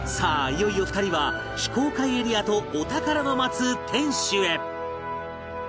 いよいよ２人は非公開エリアとお宝が待つ天守へ！